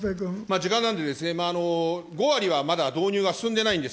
時間なんで、５割はまだ導入が進んでいないんです。